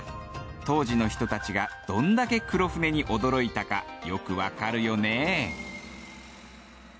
当時の人たちがどんだけ黒船に驚いたかよくわかるよね。